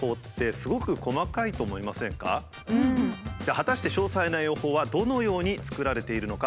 果たして詳細な予報はどのように作られているのか。